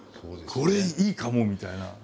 これいいかもみたいな。